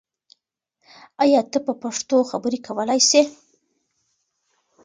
آیا ته په پښتو خبرې کولای سې؟